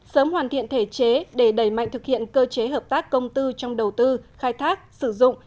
sớm hoàn thiện thể chế để đẩy mạnh thực hiện cơ chế hợp tác công tư trong đầu tư khai thác sử dụng